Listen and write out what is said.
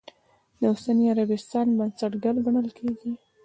د اوسني عربستان بنسټګر ګڼلی کېږي.